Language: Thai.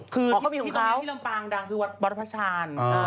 คือที่ตอนนี้ที่ลำปางดังคือวัดบรพชาญ